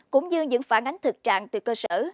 cũng như những phản ánh thực trạng từ cơ sở